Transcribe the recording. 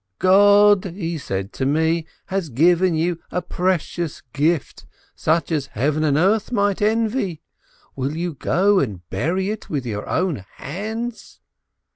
God (he said to me) has given you a precious gift, such as Heaven and earth might envy. Will you go and bury it with your own hands?"